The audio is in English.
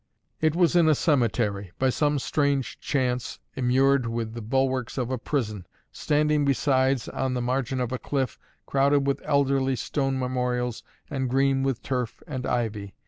It was in a cemetery, by some strange chance, immured within the bulwarks of a prison; standing, besides, on the margin of a cliff, crowded with elderly stone memorials, and green with turf and ivy.